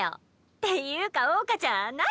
っていうか桜花ちゃん何？